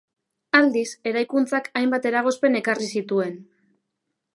Aldiz, eraikuntzak hainbat eragozpen ekarri zituen.